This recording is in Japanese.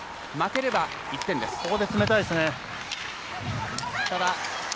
負ければ１点です。